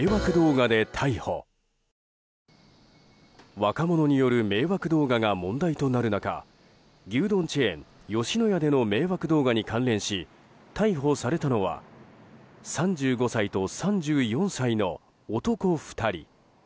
若者による迷惑動画が問題となる中牛丼チェーン吉野家での迷惑動画に関連し逮捕されたのは３５歳と３４歳の男２人。